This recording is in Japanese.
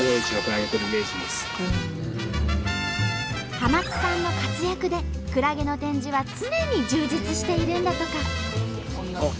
濱津さんの活躍でクラゲの展示は常に充実しているんだとか。